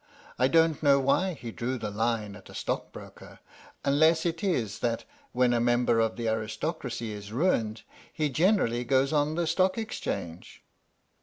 * I don't know why he drew the line at a stockbroker, unless it is that when a member of the aristocracy is ruined he generally goes on the Stock Exchange.